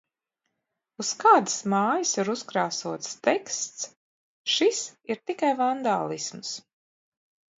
Uz kādas mājas ir uzkrāsots teksts "šis ir tikai vandālisms".